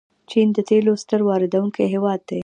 چین د تیلو ستر واردونکی هیواد دی.